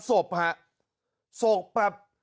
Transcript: ศพศพแบบ